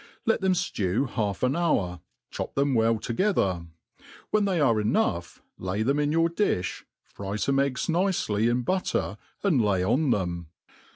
Let them flew half an hour, chop them well to* gether; when they are enough, 1^ them in your di(b, fry ibme eggs nicely in butter and lay on them.